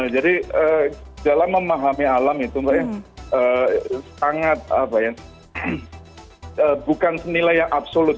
jadi dalam memahami alam itu sangat bukan senilai yang absolut